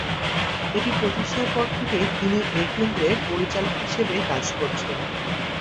এটি প্রতিষ্ঠার পর থেকেই তিনি এ কেন্দ্রের পরিচালক হিসেবে কাজ করছেন।